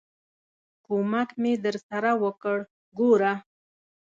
ک و م ک مې درسره وکړ، ګوره!